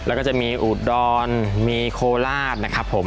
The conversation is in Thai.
แล้วก็จะมีอุดรมีโคราชนะครับผม